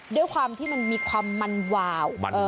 ด้วยความที่มันมีความมันวาว